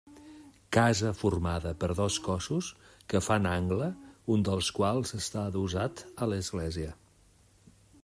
Casa formada per dos cossos que fan angle, un dels quals està adossat a l'església.